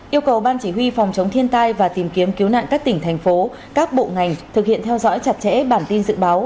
yêu cầu ban chỉ huy phòng chống thiên tai và tìm kiếm cứu nạn các tỉnh thành phố các bộ ngành thực hiện theo dõi chặt chẽ bản tin dự báo